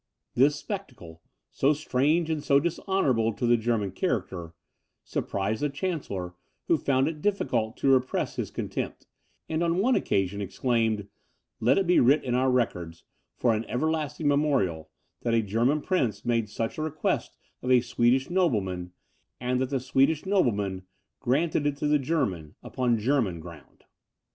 This spectacle, so strange and so dishonourable to the German character, surprised the Chancellor, who found it difficult to repress his contempt, and on one occasion exclaimed, "Let it be writ in our records, for an everlasting memorial, that a German prince made such a request of a Swedish nobleman, and that the Swedish nobleman granted it to the German upon German ground!"